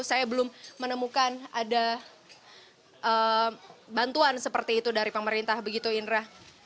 saya belum menemukan ada bantuan seperti itu dari pemerintah begitu indra